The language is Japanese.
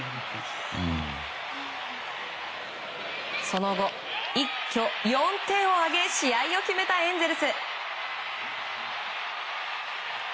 その後、一挙４点を挙げ試合を決めたエンゼルス。